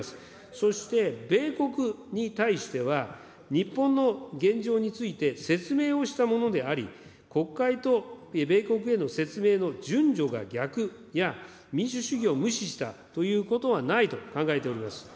そして、米国に対しては、日本の現状について説明をしたものであり、国会と米国への説明が順序が逆や、民主主義を無視したということはないと考えております。